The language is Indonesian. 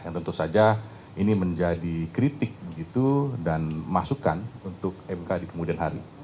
yang tentu saja ini menjadi kritik dan masukan untuk mk di kemudian hari